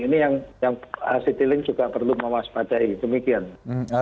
ini yang citylink juga perlu mewaspadai demikian